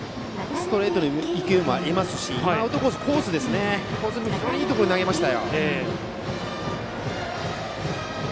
ストレートの勢いもありますしコースも非常にいいところに投げました。